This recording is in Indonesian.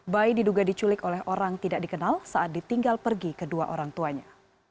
bayi diduga diculik oleh orang tidak dikenal saat ditinggal pergi kedua orang tuanya